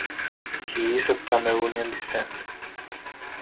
He is of Cameroonian descent.